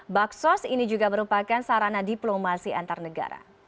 baksos ini juga merupakan sarana diplomasi antar negara